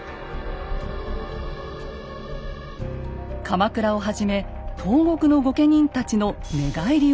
鎌倉をはじめ東国の御家人たちの寝返りを呼びかけます。